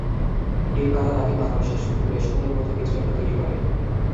ডিম পাড়ার আগে মাকড়সা সূক্ষ্ম রেশমের মতো কিছু একটা তৈরি করে।